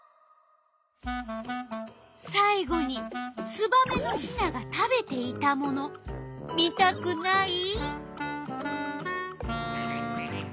さい後にツバメのヒナが食べていたもの見たくない？